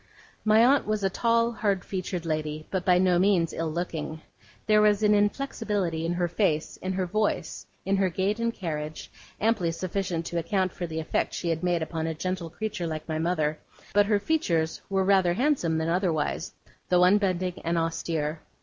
My aunt was a tall, hard featured lady, but by no means ill looking. There was an inflexibility in her face, in her voice, in her gait and carriage, amply sufficient to account for the effect she had made upon a gentle creature like my mother; but her features were rather handsome than otherwise, though unbending and austere.